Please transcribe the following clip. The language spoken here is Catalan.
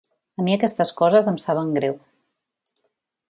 A mi aquestes coses em saben greu.